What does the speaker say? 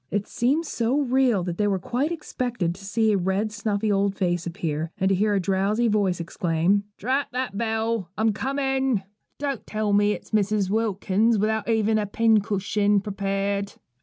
It seemed so real that they quite expected to see a red, snuffy old face appear, and to hear a drowsy voice exclaim: 'Drat that bell: I'm a coming. Don't tell me it's Mrs. Wilkins, without even a pincushion prepared.'